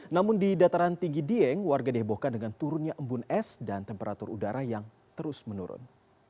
namun di dataran tinggi dieng warga dihebohkan dengan turunnya embun es dan temperatur udara yang terus menurun